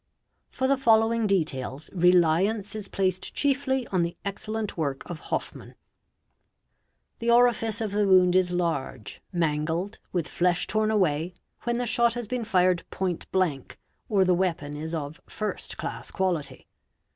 For the following details, reliance is placed chiefly on the excellent work of Hofmann. The orifice of the wound is large, mangled, with flesh torn away, when the shot has been fired point blank or the weapon is of first class quality.